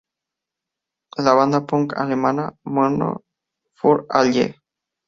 La banda Punk Alemana Mono für Alle!